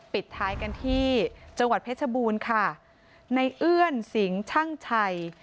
ปิดท้ายกันที่จังหวัดเพชรบูรณ์ค่ะในเอื้อนสิงห์ช่างชัย